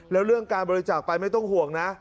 แล้วเรื่องการบริจาคไปไม่ต้องห่วงนะ